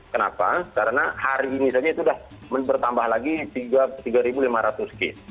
kenapa karena hari ini saja itu sudah bertambah lagi tiga lima ratus case